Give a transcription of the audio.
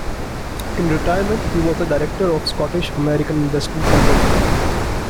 In retirement he was a Director of the Scottish American Investment Company.